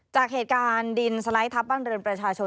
จากเหตุการณ์ดินสไลด์ทับบ้านเรือนประชาชน